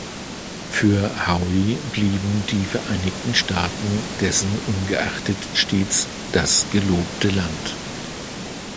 Für Howe blieben die Vereinigten Staaten dessen ungeachtet stets „das Gelobte Land“.